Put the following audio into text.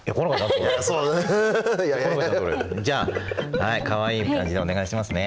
じゃあかわいい感じでお願いしますね。